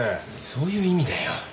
そういう意味だよ。